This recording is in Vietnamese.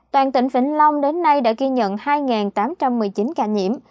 toàn tỉnh vĩnh long đến nay đã ghi nhận hai tám trăm một mươi chín ca nhiễm